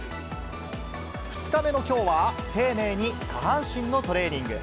２日目のきょうは、丁寧に下半身のトレーニング。